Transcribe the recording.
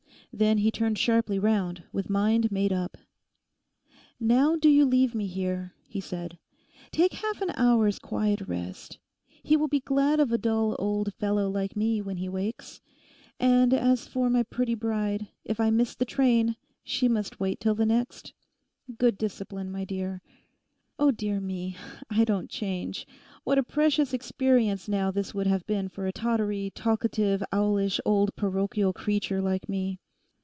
Then he turned sharply round, with mind made up. 'Now, do you leave me here,' he said. 'Take half an hour's quiet rest. He will be glad of a dull old fellow like me when he wakes. And as for my pretty bride, if I miss the train, she must wait till the next. Good discipline, my dear. Oh, dear me! I don't change. What a precious experience now this would have been for a tottery, talkative, owlish old parochial creature like me.